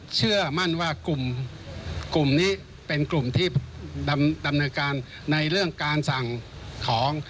เชื่อมั่นว่ากลุ่มนี้เป็นกลุ่มที่ดำเนินการในเรื่องการสั่งของ